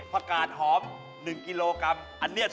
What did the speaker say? ผักกาดหอม๑กิโลกรัม